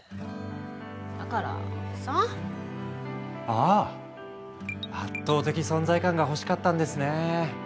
ああ圧倒的存在感が欲しかったんですねえ。